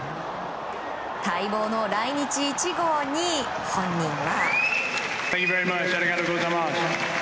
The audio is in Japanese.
待望の来日１号に本人は。